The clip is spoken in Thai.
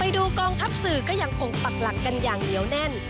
ดูกองทัพสื่อก็ยังคงปักหลักกันอย่างเหนียวแน่น